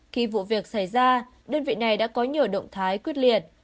khi vụ việc xảy ra đơn vị này đã có nhiều động thái quyết liệt